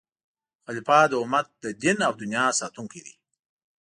خلیفه د امت د دین او دنیا ساتونکی دی.